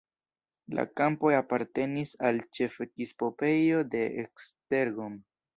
La kampoj apartenis al ĉefepiskopejo de Esztergom.